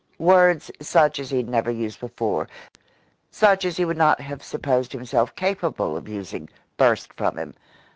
Words such as he had never used before, such as he would not have supposed himself capable of using, burst from him.